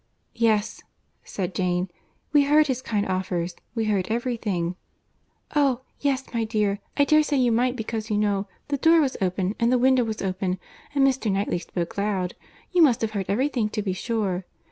"Yes," said Jane, "we heard his kind offers, we heard every thing." "Oh! yes, my dear, I dare say you might, because you know, the door was open, and the window was open, and Mr. Knightley spoke loud. You must have heard every thing to be sure.